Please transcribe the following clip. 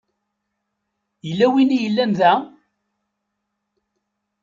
Yella win i yellan da?